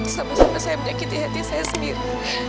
sampai sampai saya menyakiti hati saya sendiri